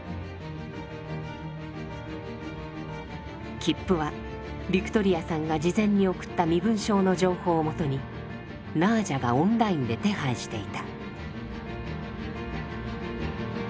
切符はビクトリアさんが事前に送った身分証の情報を基にナージャがオンラインで手配していた。